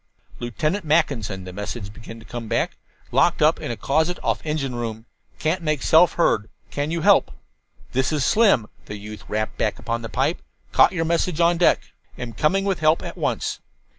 "Lieutenant Mackinson," the message began to come back. "Locked in closet off engine room. Can't make self heard. Can you help?" "This is Slim," the youth rapped back upon the pipe. "Caught your message on deck. Am coming with help at once."